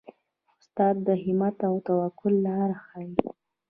استاد د همت او توکل لاره ښيي.